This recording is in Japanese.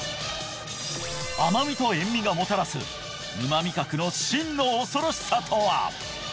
甘味と塩味がもたらす沼味覚の真の恐ろしさとは！